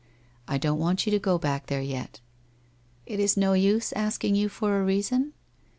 ' I don't want you to go back there yet.' 1 It is no use asking you for a reason?